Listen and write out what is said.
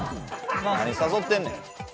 何誘ってんねん。